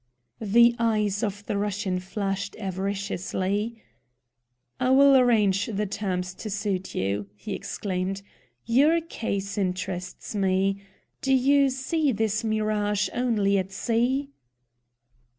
The eyes of the Russian flashed avariciously. "I will arrange the terms to suit you," he exclaimed. "Your case interests me. Do you See this mirage only at sea?"